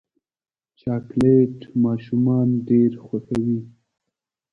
چاکلېټ ماشومان ډېر خوښوي.